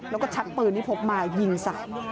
แล้วก็ชักปืนที่พกมายิงใส่